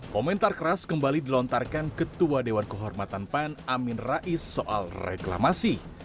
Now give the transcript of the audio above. komentar keras kembali dilontarkan ketua dewan kehormatan pan amin rais soal reklamasi